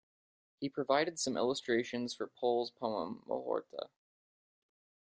He provided some illustrations for Pol's poem 'Mohorta'.